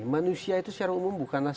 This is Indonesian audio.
manusia itu secara umum bukanlah